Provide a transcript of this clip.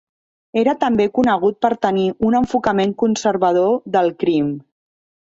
Era també conegut per tenir un enfocament conservador del crim.